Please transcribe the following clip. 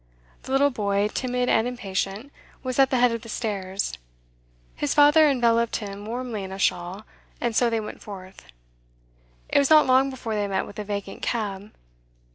The little boy, timid and impatient, was at the head of the stairs. His father enveloped him warmly in a shawl, and so they went forth. It was not long before they met with a vacant cab.